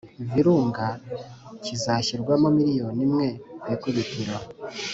Virunga, kizashyirwamo miliyoni imwe ku ikubitiro.